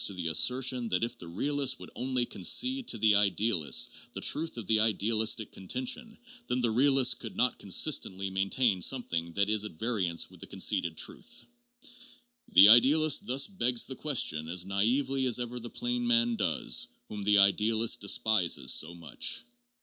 But into these matters we must not go here. PSYCHOLOGY AND SCIENTIFIC METHODS 455 tion that if the realist would only concede to the idealist the truth of the idealistic contention, then the realist could not consistently maintain something that is at variance with that conceded truth. The idealist thus begs the question as naively as ever the plain man does, whom the idealist despises so much.